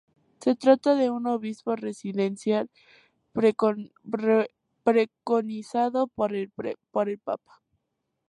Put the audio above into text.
Se trata de un obispo residencial preconizado por el papa.